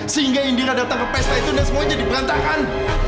sehingga indira datang ke pesta itu dan semuanya jadi berantakan